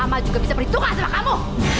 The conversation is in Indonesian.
mama juga bisa berhitungan sama kamu